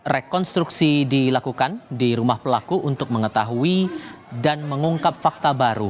rekonstruksi dilakukan di rumah pelaku untuk mengetahui dan mengungkap fakta baru